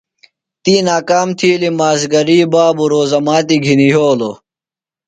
تی ناکام تِھیلیۡ۔ مازِگری بابوۡ روزہ ماتی گِھنیۡ یھولوۡ۔